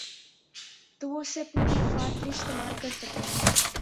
تو وہ اسے اپنے مفاد کے لیے استعمال کر سکتے تھے۔